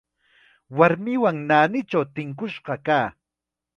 Warmiwan naanichaw tinkush kaa.